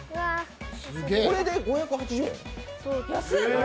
これで５８０円？